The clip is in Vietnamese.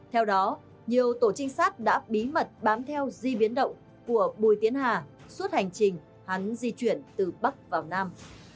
theo đó nhiều tổ trinh sát đã bí mật bám theo di biến động của bùi tiến hà suốt hành trình hắn di chuyển từ bắc vào nam